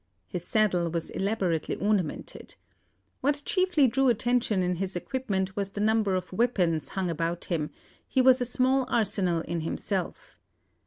His saddle was elaborately ornamented. What chiefly drew attention in his equipment was the number of weapons hung about him; he was a small arsenal in himself!